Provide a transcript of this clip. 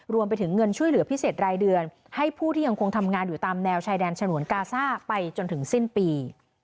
รวมไปถึงเงินช่วยเหลือพิเศษรายเดือนให้ผู้ที่ยังคงทำงานอยู่ตามแนวชายแดนฉนวนกาซ่าไปจนถึงสิ้นปี